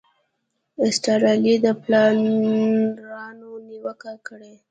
ایسټرلي د پلانرانو نیوکه کړې.